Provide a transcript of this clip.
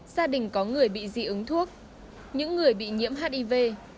gia đình có người bị dị ứng thuốc những người bị nhiễm hiv